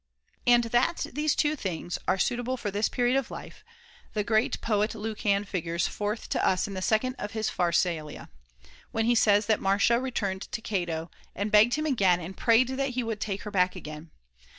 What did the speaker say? And that these two things are suitable for this period of life, that great poet Lucan figures forth to us in the second of his Pharsalia, [[lOo] 374 THE CONVIVIO Ch. Marcia when he says that Marcia returned to Cato and begged him and prayed that he would take her back again.